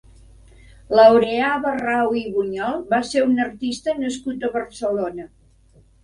Laureà Barrau i Buñol va ser un artista nascut a Barcelona.